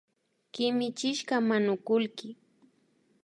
Kimichishka manukullki